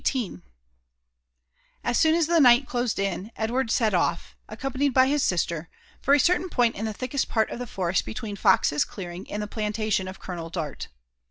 *' As soon as the night closed in, Edward set off, accompanied by his Sister, for a certain point in the thickest part of the forest between Fox's clearing and the plantation of Colonel Dart.